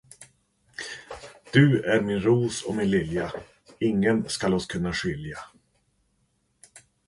Du är min ros och min lilja, ingen skall oss kunna skilja.